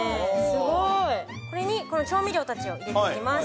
スゴいこれにこの調味料たちを入れていきます